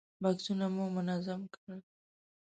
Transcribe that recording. بکسونه مو منظم کړل.